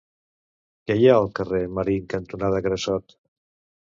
Què hi ha al carrer Marín cantonada Grassot?